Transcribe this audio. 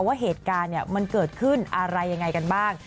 ว่าเหตุการณ์มันเกิดขึ้นอะไรยังไงกันบ้าง